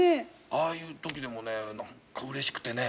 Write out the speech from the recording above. ああいう時でもねうれしくてね。